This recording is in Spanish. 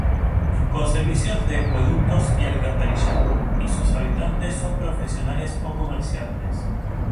Con servicios de acueducto y alcantarillado, y sus habitantes son profesionales o comerciantes.